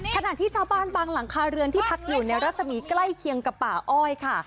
ขณะที่ชาวบ้านบางหลังคาเรือนที่พักอยู่ในรัศมีใกล้เคียงกับป่าอ้อยค่ะ